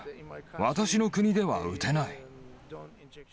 私の国では打てない。